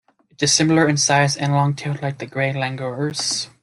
It is similar in size and long-tailed like the gray langurs.